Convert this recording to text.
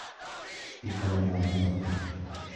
dhibba lamaa fi tokko